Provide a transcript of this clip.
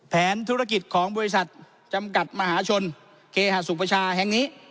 แผนธุรกิจของบริษัทจำกัดมหาชนเคหสุประชาแห่งนี้